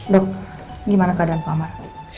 dok gimana keadaan pak amar